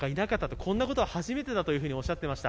こんなことは初めてだとおっしゃっていました。